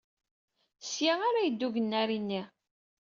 Seg-a ara yebdu ugennari-nni.